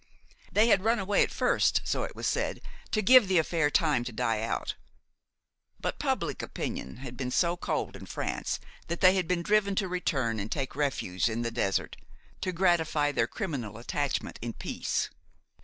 They had run away at first, so it was said, to give the affair time to die out; but public opinion had been so cold in France that they had been driven to return and take refuge in the desert, to gratify their criminal attachment in peace.